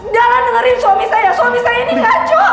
jangan dengerin suami saya suami saya ini kacau